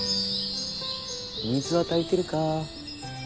水は足りてるか？